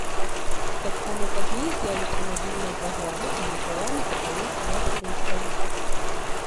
Таксама пазней з'явіцца мабільная праграма і друкаваны каталог для турыстаў.